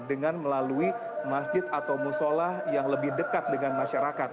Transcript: dengan melalui masjid atau musola yang lebih dekat dengan masyarakat